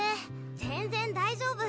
全然大丈夫！